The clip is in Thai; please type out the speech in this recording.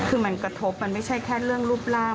คือมันกระทบมันไม่ใช่แค่เรื่องรูปร่าง